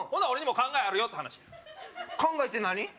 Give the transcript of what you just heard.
俺にも考えあるよって話や考えって何？